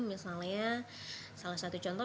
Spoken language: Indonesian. misalnya salah satu contoh